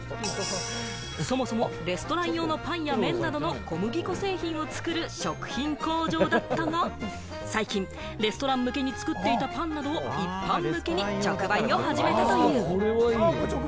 そもそもレストラン用のパンや麺などの小麦粉製品を作る食品工場だったが、最近レストラン向けに作っていたパンなどを一般向けに直売を始めたという。